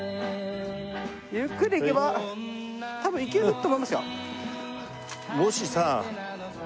ゆっくり行けば多分行けると思いますよ。